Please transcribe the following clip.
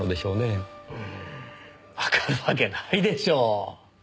うーんわかるわけないでしょう。